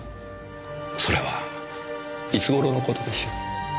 それはいつ頃の事でしょう？